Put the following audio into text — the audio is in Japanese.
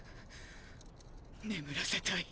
眠らせたい。